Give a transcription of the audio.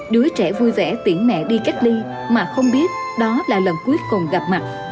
đứa trẻ vui vẻ tiễn mẹ đi cách ly mà không biết đó là lần cuối cùng gặp mặt